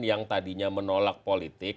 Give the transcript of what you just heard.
yang tadinya menolak politik